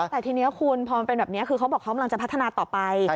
แต่ทีนี้คุณพอมันเป็นแบบนี้คือเขาบอกเขากำลังจะพัฒนาต่อไป